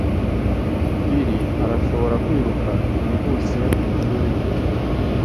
Bill arashobora kwiruka byihuse mwishuri rye.